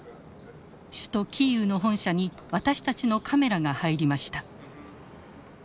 首都キーウの本社に私たちのカメラが入りました。